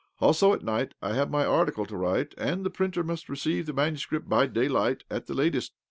Also, at night I have my article to write, and the printer must receive the manuscript by daylight at the latest.